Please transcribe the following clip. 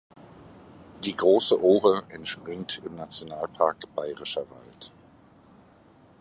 Die Große Ohe entspringt im Nationalpark Bayerischer Wald.